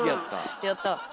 やったぁ。